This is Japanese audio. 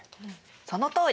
そのとおり。